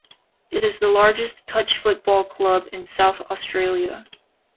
It is the largest touch football club in South Australia.